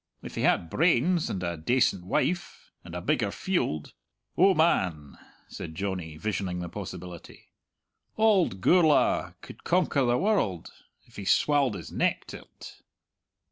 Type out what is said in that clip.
If he had brains, and a dacent wife, and a bigger field oh, man," said Johnny, visioning the possibility, "Auld Gourla could conquer the world, if he swalled his neck till't."